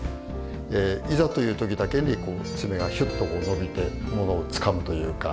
いざという時だけに爪がヒュッと伸びてものをつかむというか。